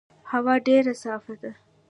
هوا ډېر صافه ده.